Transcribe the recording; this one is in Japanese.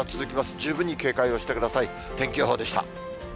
十分に警戒をしてください。